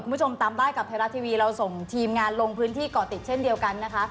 ไประบุว่าอาจจะมีส่วนเกี่ยวข้องเพื่อไม่ให้ยุ่งเหยิงกับยาลักษณะ